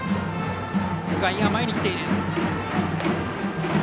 外野は前に来ている。